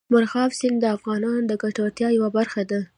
مورغاب سیند د افغانانو د ګټورتیا یوه برخه ده.